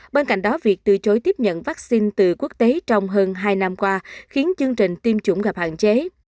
bên cạnh đó việc từ chối tiếp nhận vaccine từ quốc tế trong hơn hai năm qua khiến chương trình tiêm chủng gặp hạn chế